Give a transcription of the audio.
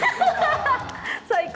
最高。